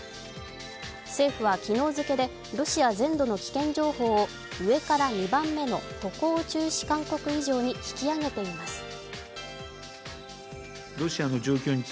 政府は昨日付けでロシア全土の危険情報を上から２番目の渡航中止勧告以上に引き上げています。